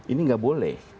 ini tidak boleh